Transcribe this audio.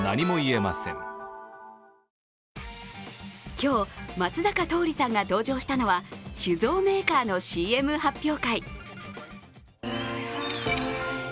今日、松坂桃李さんが登場したのは酒造メーカーのＣＭ発表会。